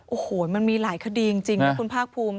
โอ้โหมันมีหลายคดีจริงนะคุณภาคภูมิ